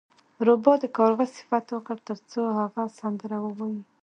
روباه د کارغه صفت وکړ ترڅو هغه سندره ووایي.